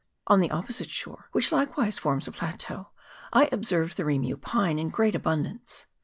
On the opposite shore, which likewise forms a pla teau, I observed the rimu pine in great abundance.